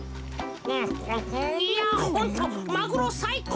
いやホントマグロさいこう！